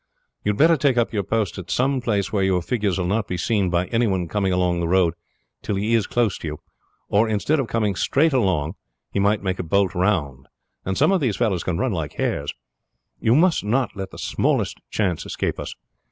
"You had better take up your post at some place where your figures will not be seen by any one coming along the road till he is close to you, or instead of coming straight along he might make a bolt round; and some of these fellows can run like hares. We must not let the smallest chance escape us.